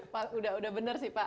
pak udah bener sih pak